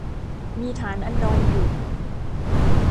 มีฐานอันดรอยู่